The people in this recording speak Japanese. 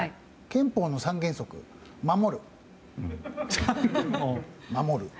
憲法の三原則、守る。